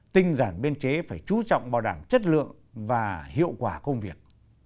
tinh giản biên chế phải chú trọng bảo đảm chất lượng và hiệu quả công việc